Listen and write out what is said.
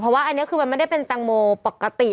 เพราะว่าอันนี้คือมันไม่ได้เป็นแตงโมปกติ